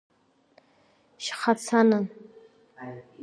Шьхацанын.